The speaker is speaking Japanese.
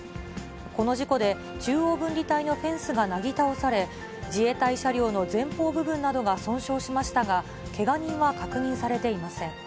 この事故で、中央分離帯のフェンスがなぎ倒され、自衛隊車両の前方部分などが損傷しましたが、けが人は確認されていません。